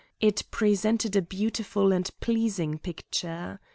It presented a beautiful and pleasing picture.